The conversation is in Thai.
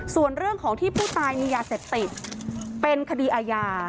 ส่วนเรื่องของที่ผู้ตายมียาเสพติดเป็นคดีอาญา